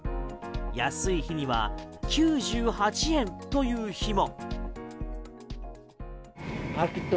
安い日は９８円という日も。